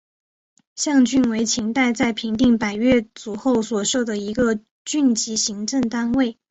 象郡为秦代在平定百越族后所设的一个郡级行政单位。